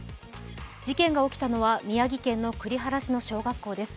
事件が起きたのは宮城県栗原市の小学校です。